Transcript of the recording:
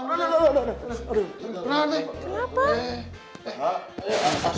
bro aduh aduh aduh